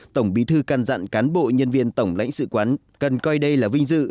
tổng bí thư căn dặn cán bộ nhân viên tổng lãnh sự quán cần coi đây là vinh dự